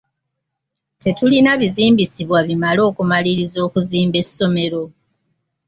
Tetulina bizimbisibwa bimala okumaliriza okuzimba essomero .